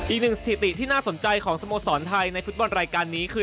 สถิติที่น่าสนใจของสโมสรไทยในฟุตบอลรายการนี้คือ